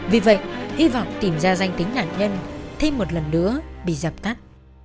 vì vậy hy vọng tìm ra danh tính nạn nhân thêm một lần nữa bị dập tắt